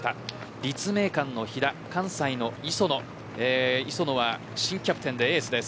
立命館の飛田関西の磯野磯野は新キャプテンでエースです。